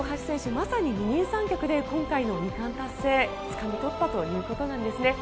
まさに二人三脚で今回の２冠達成をつかみ取ったということなんですね。